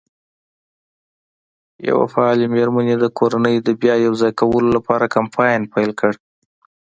یوه فعالې مېرمن د کورنۍ د بیا یو ځای کولو لپاره کمپاین پیل کړ.